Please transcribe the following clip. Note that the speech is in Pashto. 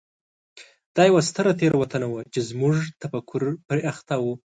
دا یوه ستره تېروتنه وه چې زموږ تفکر پرې اخته و.